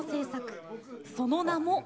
その名も。